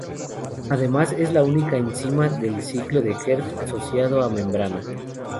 Además es la única enzima del ciclo de Krebs asociado a membrana.